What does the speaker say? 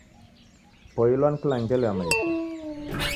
Poilwa ni kila ngelo ya maisha.